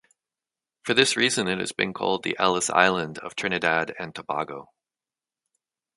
For this reason it has been called the Ellis Island of Trinidad and Tobago.